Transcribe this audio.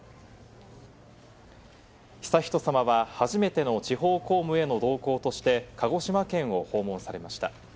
悠仁さまは初めての地方公務への同行として、鹿児島県を訪問されました。